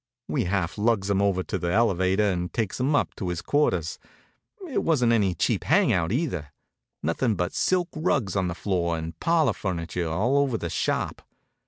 We half lugs him over to the elevator and takes him up to his quarters. It wasn't any cheap hang out, either nothing but silk rugs on the floor and parlor furniture all over the shop.